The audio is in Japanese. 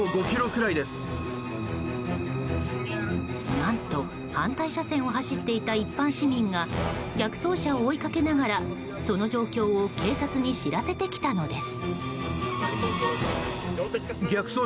何と反対車線を走っていた一般市民が逆走車を追いかけながらその状況を警察に知らせてきたのです。